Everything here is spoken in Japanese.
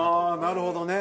なるほどね。